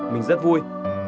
mình rất vui